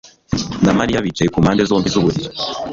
na Mariya bicaye ku mpande zombi z'uburiri.